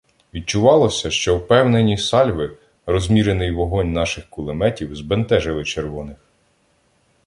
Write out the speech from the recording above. Відчувалося, що впевнені сальви, розмірений вогонь наших кулеметів збентежили червоних.